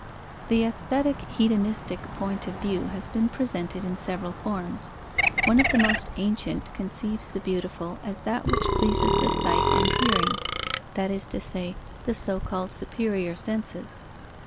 _ The aesthetic hedonistic point of view has been presented in several forms. One of the most ancient conceives the beautiful as that which pleases the sight and hearing, that is to say, the so called superior senses.